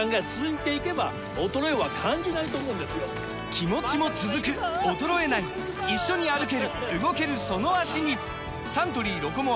気持ちも続く衰えない一緒に歩ける動けるその脚にサントリー「ロコモア」！